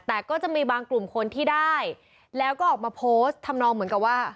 แต่ก็จะมีบางกลุ่มคนที่ได้แล้วก็ออกมาโพสต์ทำนองเหมือนกับว่า